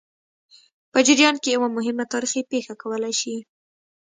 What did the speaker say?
په جریان کې یوه مهمه تاریخي پېښه کولای شي.